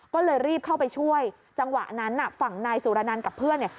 ก็เลยรีบเข้าไปช่วยจังหวะนั้นน่ะฝั่งนายสุรนันต์กับเพื่อนเนี่ย